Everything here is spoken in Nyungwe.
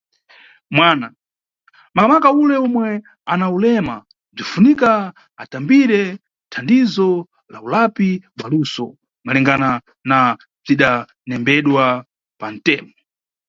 Mwana, makamaka ule omwe ana ulema, bzinʼfunika atambire thandizo lá ulapi bwa luso, malingana na bzidanembedwa pantemo.